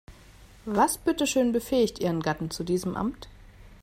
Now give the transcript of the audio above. Was bitteschön befähigt ihren Gatten zu diesem Amt?